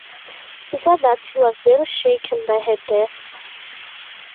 He said that he was very "shaken" by her death.